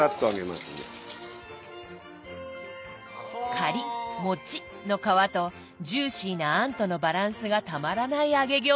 カリッもちっの皮とジューシーな餡とのバランスがたまらない揚げ餃子です。